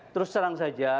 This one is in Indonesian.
terus terang saja